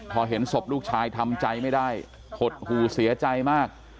พอเห็นศพลูกชายทำใจไม่ได้หดหู่เสียใจมาก